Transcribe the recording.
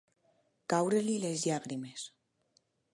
Caure-li les llàgrimes.